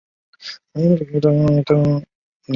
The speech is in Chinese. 杂金蛛为园蛛科金蛛属的动物。